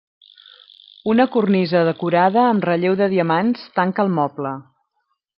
Una cornisa decorada amb relleu de diamants tanca el moble.